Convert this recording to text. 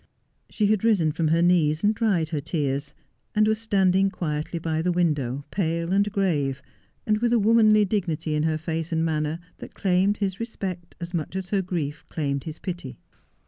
She had risen from her knees and dried her tears, and was standing quietly by the window, pale and grave, and with a womanly dignity in her face and manner that claimed hia respect as much as her grief claimed his pity.